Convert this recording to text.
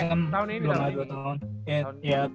eh tahun ini kan